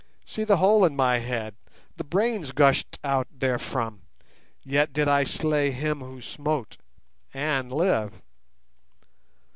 "See the hole in my head; the brains gushed out therefrom, yet did I slay him who smote, and live.